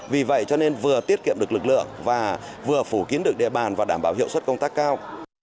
vì vậy cho nên vừa tiết kiệm được lực lượng và vừa phủ kiến được địa bàn và đảm bảo hiệu suất công tác cao